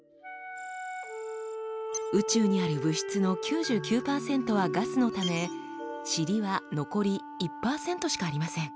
宇宙にある物質の９９％はガスのためチリは残り１％しかありません。